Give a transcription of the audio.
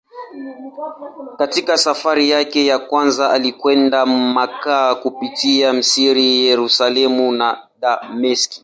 Katika safari yake ya kwanza alikwenda Makka kupitia Misri, Yerusalemu na Dameski.